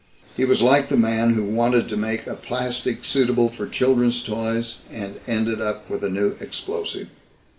He was like the man who wanted to make a plastic suitable for children's toys and ended up with a new explosive.